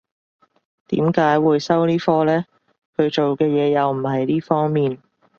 點解會收呢科嘅？佢做嘅嘢又唔係呢方面